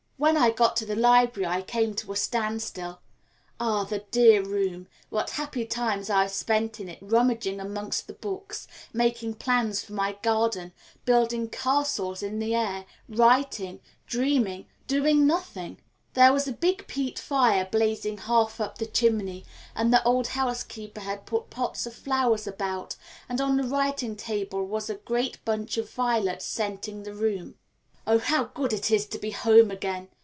When I got to the library I came to a standstill, ah, the dear room, what happy times I have spent in it rummaging amongst the books, making plans for my garden, building castles in the air, writing, dreaming, doing nothing! There was a big peat fire blazing half up the chimney, and the old housekeeper had put pots of flowers about, and on the writing table was a great bunch of violets scenting the room. "Oh, how good it is to be home again!"